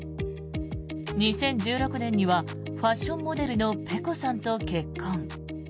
２０１６年にはファッションモデルのｐｅｃｏさんと結婚。